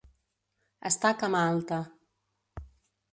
Estar cama alta.